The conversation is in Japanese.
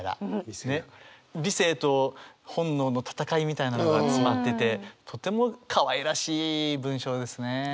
みたいなのが詰まっててとてもかわいらしい文章ですね。